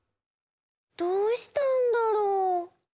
どうしたんだろう？